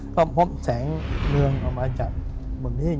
ก็พบแสงเรืองออกมาจากบนหิ้ง